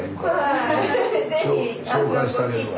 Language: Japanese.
紹介してあげるわ。